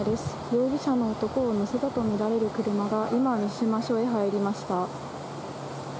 容疑者の男を乗せたとみられる車が今、三島署へ入りました。